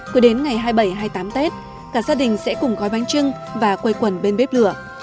cứ đến ngày hai mươi bảy hai mươi tám tết cả gia đình sẽ cùng gói bánh trưng và quây quần bên bếp lửa